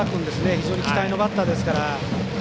非常に期待のバッターですから。